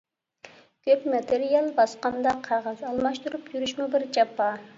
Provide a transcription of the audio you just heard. كۆپ ماتېرىيال باسقاندا قەغەز ئالماشتۇرۇپ يۈرۈشمۇ بىر جاپا.